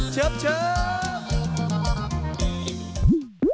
เชิบเชิบ